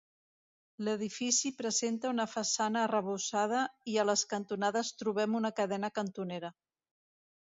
L'edifici presenta una façana arrebossada i a les cantonades trobem una cadena cantonera.